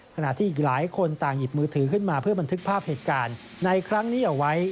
ขณะที่อีกหลายคนต่างหยิบมือถือขึ้นมาเพื่อบันทึกภาพเหตุการณ์ในครั้งนี้เอาไว้